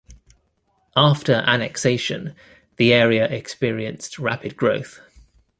After annexation, the area experienced rapid growth.